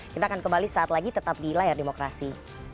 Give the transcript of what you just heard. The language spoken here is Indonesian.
kita akan kembali saat lagi tetap di layar demokrasi